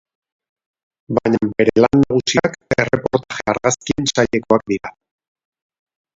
Baina bere lan nagusiak erreportaje-argazkien sailekoak dira.